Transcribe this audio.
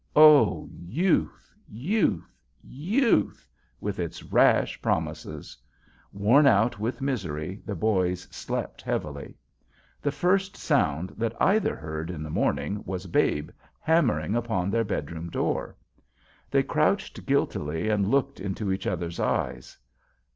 Oh, youth—youth—youth, with its rash promises! Worn out with misery the boys slept heavily. The first sound that either heard in the morning was Babe hammering upon their bedroom door. They crouched guiltily and looked into each other's eyes.